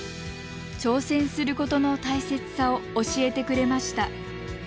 挑戦することの大切さを教えてくれました。